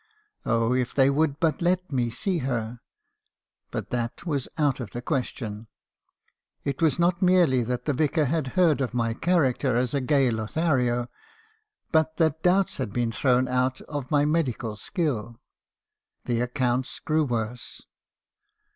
Oh! if they would but let me see her ! But that was out of the question. It was not merely that the Vicar had heard of my character as a gay Lo thario, but that doubts had been thrown out of my medical skill. The accounts grew worse.